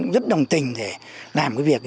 rất đồng tình để làm cái việc